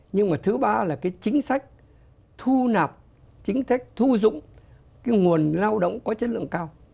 nhưng mà thứ ba là cái chính sách thu nạp chính sách thu dụng cái nguồn lao động có chất lượng cao